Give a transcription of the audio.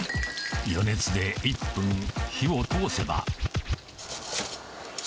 余熱で１分火を通せば。